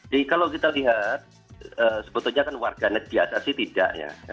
jadi kalau kita lihat sebetulnya kan warga net biasa sih tidak ya